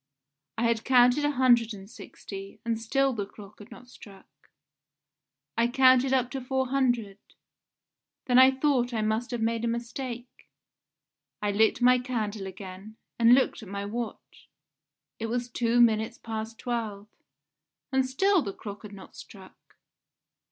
I had counted a hundred and sixty, and still the clock had not struck. I counted up to four hundred; then I thought I must have made a mistake. I lit my candle again, and looked at my watch: it was two minutes past twelve. And still the clock had not struck!